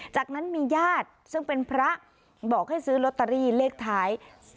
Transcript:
จากนั้นมีญาติซึ่งเป็นพระบอกให้ซื้อลอตเตอรี่เลขท้าย